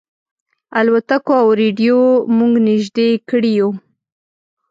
الوتکو او رېډیو موږ نيژدې کړي یو.